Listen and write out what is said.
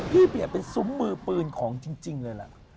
เปลี่ยนเป็นซุ้มมือปืนของจริงเลยล่ะ